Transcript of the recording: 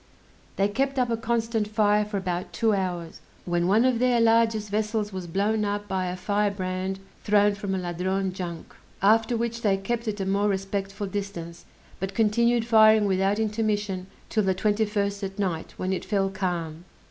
They kept up a constant fire for about two hours, when one of their largest vessels was blown up by a firebrand thrown from a Ladrone junk; after which they kept at a more respectful distance, but continued firing without intermission 'till the 21st at night, when it fell calm.